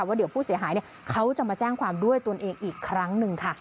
ว่าเดี๋ยวผู้เสียหายเขาจะมาแจ้งความด้วยตนเองอีกครั้งหนึ่งค่ะ